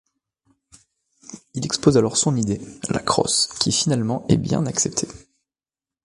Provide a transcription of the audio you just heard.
Il expose alors son idée, la crosse, qui finalement, est bien acceptée.